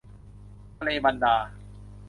ทะเลบันดา